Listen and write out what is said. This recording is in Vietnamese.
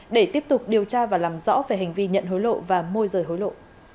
để tiếp tục điều tra và làm rõ về hành vi nhận hối lộ và môi rời hối lộ